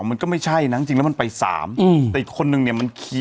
มันก็ไม่ใช่นะจริงแล้วมันไปสามอืมแต่อีกคนนึงเนี่ยมันขี่